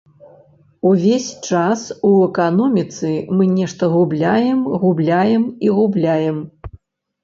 Увесь час у эканоміцы мы нешта губляем, губляем і губляем.